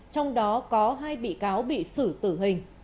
trong đó có hai bị cáo bị xử tử hình